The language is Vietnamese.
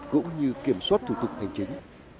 cũng như kiểm soát thủ tục hành chính